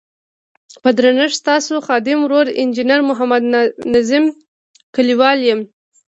په درنښت ستاسو خادم ورور انجنیر محمد نظیم کلیوال یم.